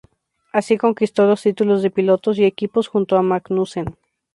Así, conquistó los títulos de pilotos y equipos junto a Magnussen.